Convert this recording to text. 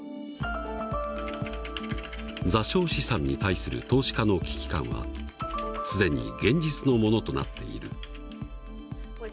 座礁資産に対する投資家の危機感は既に現実のものとなっている。